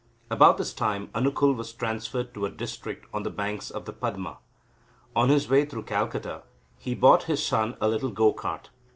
About this time Anukul was transferred to a district on the banks of the Padma. On his way through Calcutta he bought his son a little go cart.